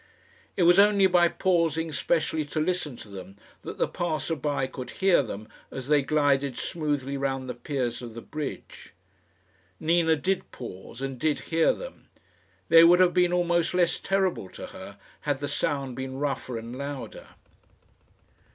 It was only by pausing specially to listen to them that the passer by could hear them as they glided smoothly round the piers of the bridge. Nina did pause and did hear them. They would have been almost less terrible to her, had the sound been rougher and louder.